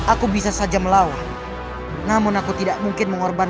aku harus menggunakan mata raga sukar untuk menirukan jurusan